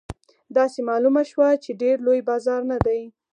داسې معلومه شوه چې ډېر لوی بازار نه دی.